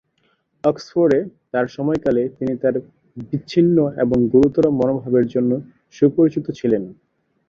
অক্সফোর্ডে তার সময়কালে, তিনি তার বিচ্ছিন্ন এবং গুরুতর মনোভাবের জন্য সুপরিচিত ছিলেন।